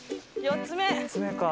４つ目か。